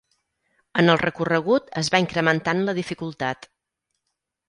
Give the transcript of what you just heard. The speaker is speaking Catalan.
En el recorregut es va incrementant la dificultat.